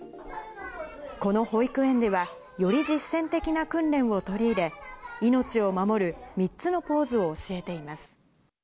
この保育園では、より実践的な訓練を取り入れ、命を守る３つのポーズを教えています。